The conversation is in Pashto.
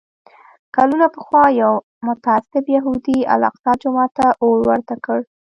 کلونه پخوا یو متعصب یهودي الاقصی جومات ته اور ورته کړ.